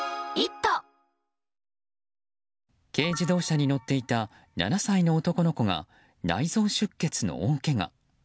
軽自動車に乗っていた７歳の男の子が内臓出血の大けが。